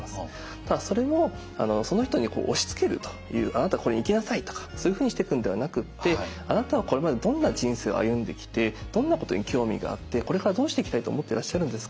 ただそれもその人に押しつけるという「あなたここに行きなさい」とかそういうふうにしていくんではなくって「あなたはこれまでどんな人生を歩んできてどんなことに興味があってこれからどうしていきたいと思ってらっしゃるんですか？」